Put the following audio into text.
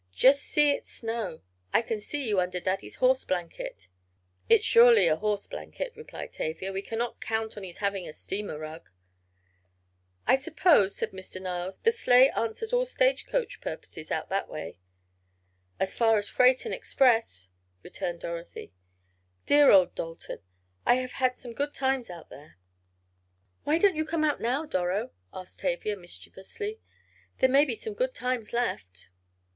"Just see it snow! I can see you under Daddy's horse blanket." "It's surely a horse blanket," replied Tavia. "We cannot count on his having a steamer rug." "I suppose," said Mr. Niles, "the sleigh answers all stage coach purposes out that way?" "As well as freight and express," returned Dorothy. "Dear old Dalton! I have had some good times out there!" "Why don't you come out now, Doro?" asked Tavia, mischievously. "There may be some good times left."